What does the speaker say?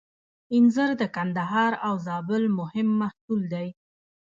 انځر د کندهار او زابل مهم محصول دی